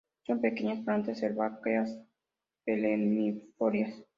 Son pequeñas plantas herbáceas perennifolias.